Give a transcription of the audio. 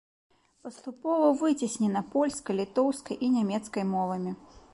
Паступова выцеснена польскай, літоўскай і нямецкай мовамі.